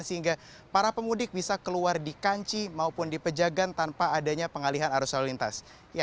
sehingga para pemudik bisa keluar di kanci maupun di pejagan tanpa adanya pengalihan arus lalu lintas